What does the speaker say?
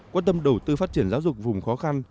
quan tâm đầu tư phát triển giáo dục vùng khó khăn